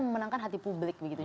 memenangkan hati publik gitu